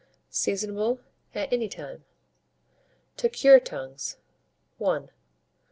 Seasonable at any time. TO CURE TONGUES. I.